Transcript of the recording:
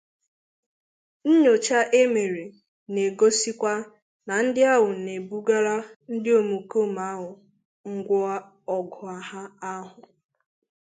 Nnyocha e mere na-egosikwa na ndị ahụ na-ebugara ndị omekoome ahụ ngwaọgụ ahụ